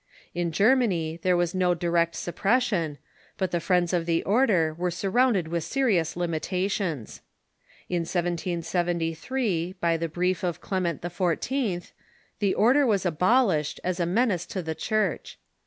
In Germany there was no direct suppression, but the friends of the order were surrounded with serious limitations. In 1773, by the brief of Clement XIV., the order was abolished as a menace to the Church.